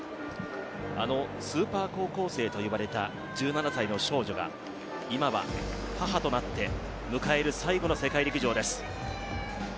あのスーパー高校生といわれた１７歳の少女が今は母となって迎える最後の世界陸上です。